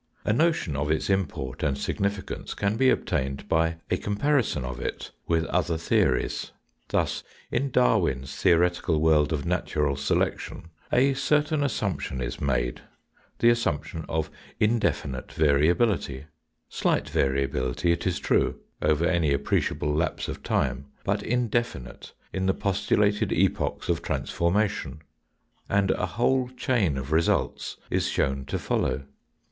A notion of its import and significance can be obtained by a comparison of it with other theories. Thus in Darwin's theoretical world of natural selection a certain assumption is made, the assumption of indefinite variability slight variability it is true, over any appre ciable lapse of time, but indefinite in the postulated epochs of transformation and a whole chain of results is shown to follow.